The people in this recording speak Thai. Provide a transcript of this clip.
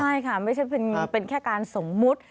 ใช่ค่ะไม่ใช่เป็นแค่การสมมุติ